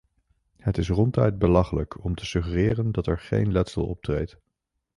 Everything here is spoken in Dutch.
Het is ronduit belachelijk om te suggereren dat er geen letsel optreedt.